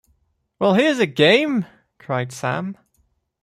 ‘Well, here’s a game!’ cried Sam.